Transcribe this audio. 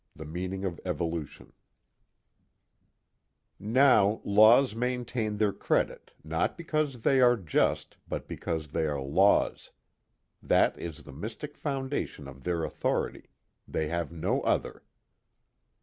THE TRIAL OF CALLISTA BLAKE 1 Now laws maintain their credit not because they are just, but because they are laws. That is the mystic foundation of their authority: they have no other.